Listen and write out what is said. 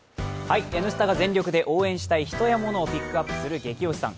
「Ｎスタ」が全力で応援したい人やモノをピックアップする「ゲキ推しさん」。